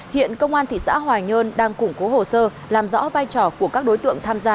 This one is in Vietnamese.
hiện công an thị xã hoài nhơn đang củng cố hồ sơ làm rõ vai trò của các đối tượng tham gia